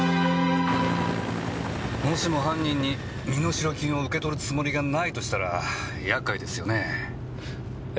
もしも犯人に身代金を受け取るつもりがないとしたらやっかいですよねえ。